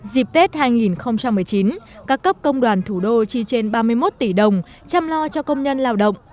dịp tết hai nghìn một mươi chín các cấp công đoàn thủ đô chi trên ba mươi một tỷ đồng chăm lo cho công nhân lao động